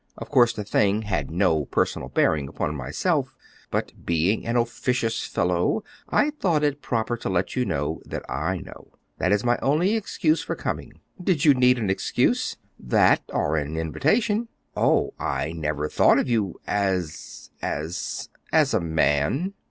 Of course, the thing had no personal bearing upon myself; but being an officious fellow, I thought it proper to let you know that I know. That is my only excuse for coming." "Did you need an excuse?" "That, or an invitation." "Oh, I never thought of you as as " "As a man?"